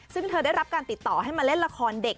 ซึ่งเธอได้รับการติดต่อให้มาเล่นละครเด็ก